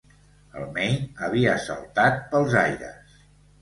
El Maine havia saltat pels aires.